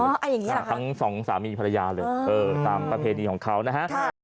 อ๋ออย่างนี้หรือครับครับทั้งสองสามีภรรยาเลยตามประเภทดีของเขานะครับ